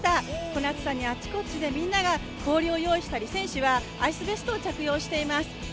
この暑さにあちこちでみんなが氷を用意したり選手はアイスベストを着用しています。